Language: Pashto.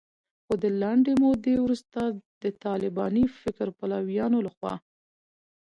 خو د لنډې مودې وروسته د طالباني فکر پلویانو لخوا